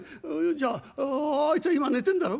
『じゃああいつは今寝てんだろ？』。